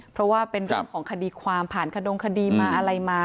เพราะว่าเป็นเรื่องของคดีความผ่านขดงคดีมาอะไรมา